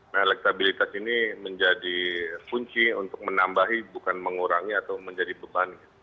nah elektabilitas ini menjadi kunci untuk menambahi bukan mengurangi atau menjadi beban